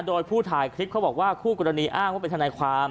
โดยผู้ถ่ายคลิปเขาบอกว่าคู่กรณีอ้างว่าเป็นทนายความ